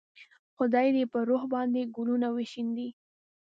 خدای دې یې پر روح باندې ګلونه وشیندي.